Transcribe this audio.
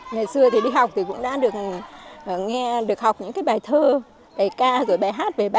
ngày xưa thì đi học thì cũng đã được nghe được học những cái bài thơ bài ca rồi bài hát về bài